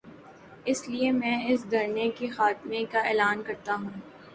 اس لیے میں اس دھرنے کے خاتمے کا اعلان کر تا ہوں۔